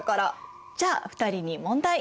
じゃあ２人に問題！